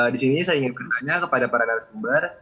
di sini saya ingin bertanya kepada para narasumber